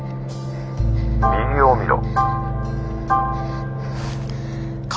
「右を見ろ」。